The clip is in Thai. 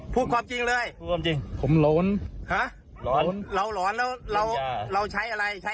ทำอะไรมา